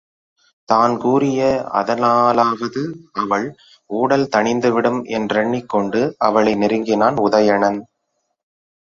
தான் கூறிய அதனாலாவது அவள் ஊடல் தணிந்துவிடும் என்றெண்ணிக் கொண்டு அவளை நெருங்கினான் உதயணன்.